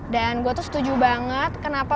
dan gue tuh setuju banget kenapa